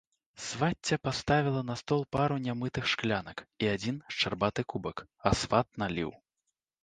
Свацця паставіла на стол пару нямытых шклянак і адзін шчарбаты кубак, а сват наліў.